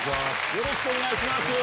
よろしくお願いします